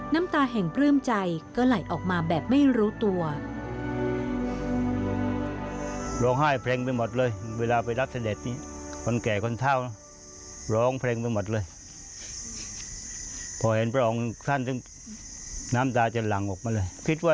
น้ำตาแห่งปลื้มใจก็ไหลออกมาแบบไม่รู้ตัว